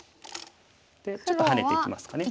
でちょっとハネていきますかね。